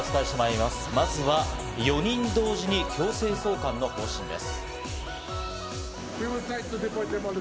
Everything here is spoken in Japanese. まずは４人同時に強制送還の方針です。